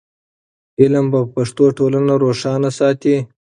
علم په پښتو ټولنه روښانه ساتي.